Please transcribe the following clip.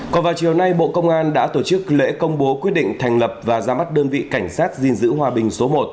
còn vào chiều nay bộ công an đã tổ chức lễ công bố quyết định thành lập và ra mắt đơn vị cảnh sát gìn giữ hòa bình số một